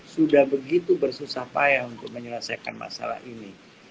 sudah begitu bersusah payah untuk menyelesaikan masalah ini